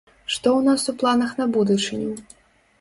Што ў нас у планах на будучыню?